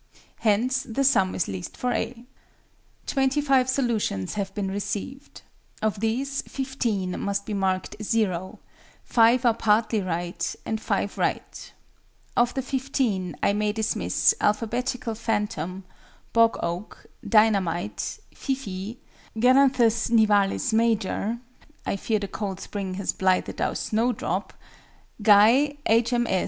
Hence the sum is least for A. Twenty five solutions have been received. Of these, 15 must be marked "0," 5 are partly right, and 5 right. Of the 15, I may dismiss ALPHABETICAL PHANTOM, BOG OAK, DINAH MITE, FIFEE, GALANTHUS NIVALIS MAJOR (I fear the cold spring has blighted our SNOWDROP), GUY, H.M.